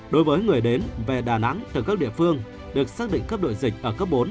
đối với người đến về đà nẵng từ các địa phương được xác định cấp độ dịch ở cấp bốn